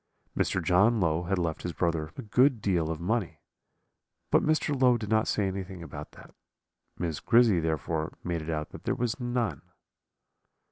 Mr. John Low had left his brother a good deal of money, but Mr. Low did not say anything about that; Miss Grizzy therefore made it out that there was none.